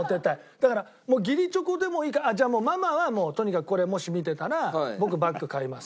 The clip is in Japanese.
だから義理チョコでもいいからじゃあもうママはとにかくこれもし見てたら僕バッグ買います。